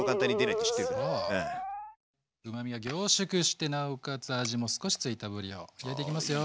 うまみが凝縮してなおかつ味も少し付いたぶりを入れていきますよ。